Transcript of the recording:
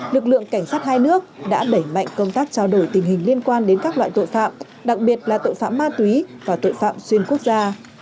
lực lượng cảnh sát hai nước đã đẩy mạnh công tác trao đổi tình hình liên quan đến các loại tội phạm đặc biệt là tội phạm ma túy và tội phạm xuyên quốc gia